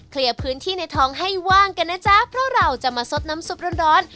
เคลียร์พื้นที่ในท้องให้ว่างกันนะจ๊ะเพราะเราจะมาซดน้ำซุปร้อนร้อน